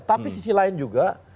tapi sisi lain juga